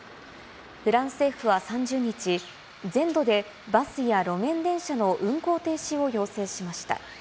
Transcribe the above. フランス政府は３０日、全土でバスや路面電車の運行停止を要請しました。